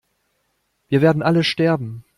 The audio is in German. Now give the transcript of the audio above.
Wir werden alle sterben!